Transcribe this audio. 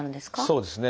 そうですね。